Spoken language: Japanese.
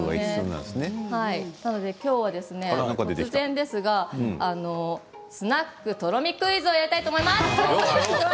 なのできょうは突然ですがスナック都ろ美クイズをやりたいと思います。